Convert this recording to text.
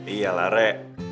iya lah re